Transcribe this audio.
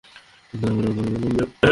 দয়া করে আমাদের বলুন, ম্যাম।